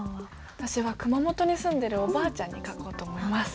私は熊本に住んでいるおばあちゃんに書こうと思います。